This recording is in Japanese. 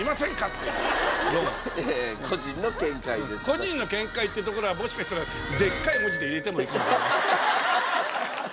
「個人の見解」ってところはもしかしたらでっかい文字で入れてもいいかもね。